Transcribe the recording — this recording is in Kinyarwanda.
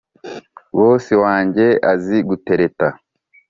Bosi wanjye azi gutereta